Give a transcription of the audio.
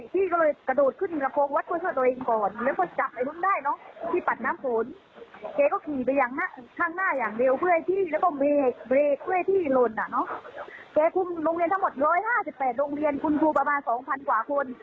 แกคุมโรงเรียนทั้งหมด๑๕๘โรงเรียนคุณครูประมาณ๒๐๐กว่าคน